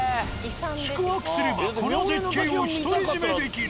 宿泊すればこの絶景を独り占めできる。